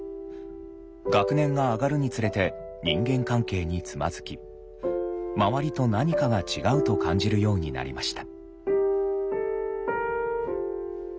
学年が上がるにつれて人間関係につまずき「周りと何かが違う」と感じるようになりました。